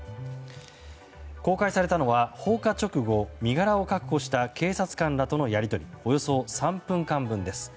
公開されたのは放火直後、身柄を確保した警察官とのやり取りおよそ３分間分です。